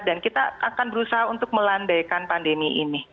dan kita akan berusaha untuk melandaikan pandemi ini